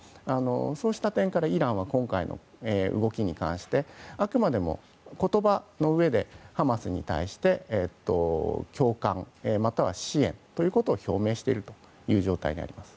そうした点からイランは今回の動きに関してあくまでも言葉の上でハマスに対して共感や支援ということを表明している状態にあります。